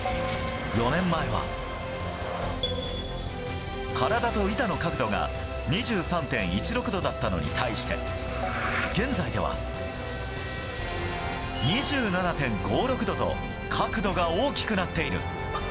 ４年前は、体と板の角度が２３．１６度だったのに対して現在では２７．５６度と角度が大きくなっている。